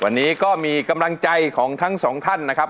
วันนี้ก็มีกำลังใจของทั้งสองท่านนะครับ